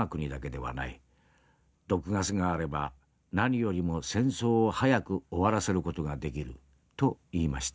毒ガスがあれば何よりも戦争を早く終わらせる事ができる』と言いました」。